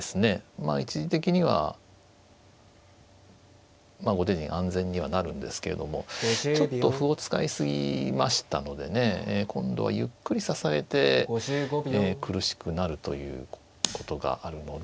まあ一時的には後手陣安全にはなるんですけれどもちょっと歩を使い過ぎましたのでね今度はゆっくり支えて苦しくなるということがあるので。